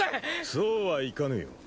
そうはいかぬよ。